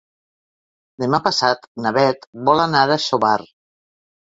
Demà passat na Bet vol anar a Xóvar.